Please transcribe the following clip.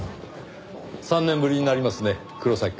３年ぶりになりますね黒崎くん。